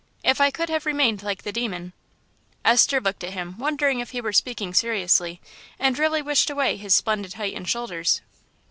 If I could have remained like the Demon " Esther looked at him, wondering if he were speaking seriously, and really wished away his splendid height and shoulders.